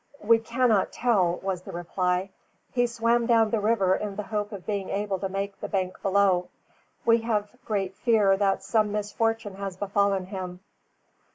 "We cannot tell," was the reply. "He swam down the river in the hope of being able to make the bank below. We have great fear that some misfortune has befallen him."